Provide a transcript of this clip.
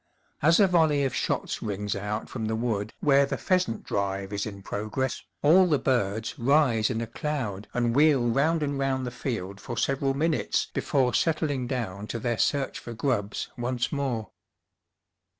As a volley of shots rings out from the wood where the pheasant drive is in progress, all the birds rise in a cloud and wheel round and round the field for several minutes before settling down to their search for grubs once more.